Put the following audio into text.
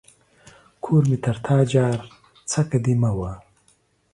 کور مې تر تا جار ، څکه دي مه وه.